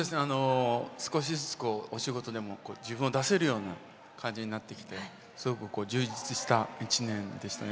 少しずつお仕事でも自分を出せるような感じになってきてすごく充実した１年でしたね。